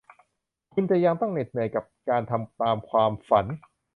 คุณจะยังต้องเหน็ดเหนื่อยกับการทำตามความฝัน